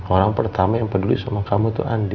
orang pertama yang peduli sama kamu itu andi